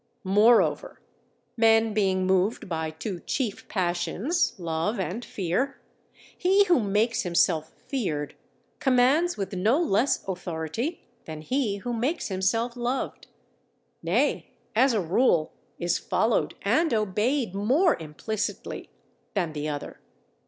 Moreover, men being moved by two chief passions, love and fear, he who makes himself feared commands with no less authority than he who makes himself loved; nay, as a rule, is followed and obeyed more implicitly than the other.